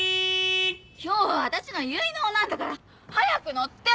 今日はあたしの結納なんだから早く乗って！